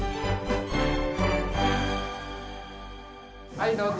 はいどうぞ。